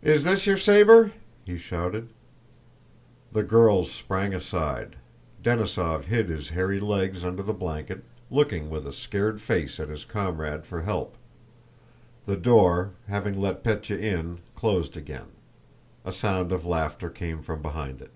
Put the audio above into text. "Is this your saber?" he shouted. The girls sprang aside. Denísov hid his hairy legs under the blanket, looking with a scared face at his comrade for help. The door, having let Pétya in, closed again. A sound of laughter came from behind it.